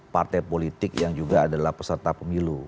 partai politik yang juga adalah peserta pemilu